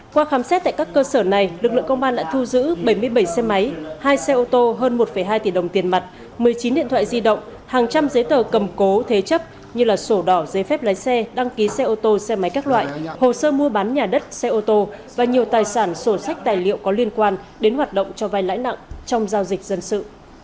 qua khám xét tại các cơ sở này lực lượng công an đã thu giữ bảy mươi bảy xe máy hai xe ô tô hơn một hai tỷ đồng tiền mặt một mươi chín điện thoại di động hàng trăm giấy tờ cầm cố thế chấp như sổ đỏ giấy phép lái xe đăng ký xe ô tô xe máy các loại hồ sơ mua bán nhà đất xe ô tô và nhiều tài sản sổ sách tài liệu có liên quan đến hoạt động cho vay lãi nặng trong giao dịch dân sự